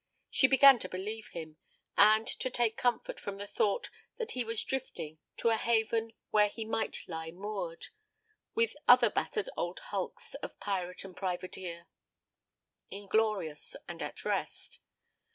She began to believe him, and to take comfort from the thought that he was drifting to a haven where he might lie moored, with other battered old hulks of pirate and privateer, inglorious and at rest.